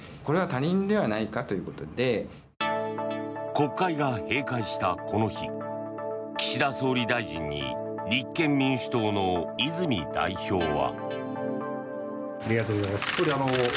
国会が閉会したこの日岸田総理大臣に立憲民主党の泉代表は。